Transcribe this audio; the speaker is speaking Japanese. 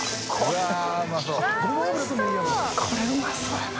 きむ）これうまそうやな。